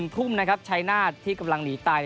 ทุ่มนะครับชายนาฏที่กำลังหนีตาย